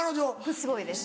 すごいです。